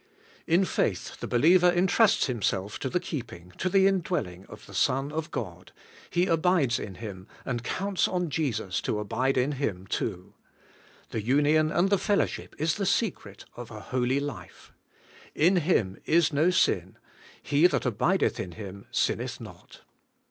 In faith the believer entrusts himself to the keeping, to the indwelling, of the Son of God; he abides in Him, and counts on Jesus to abide in Him too. The union and fellowship is the secret of a holy life: 'In Him is no sin; he that abideth in Him sinneth not.'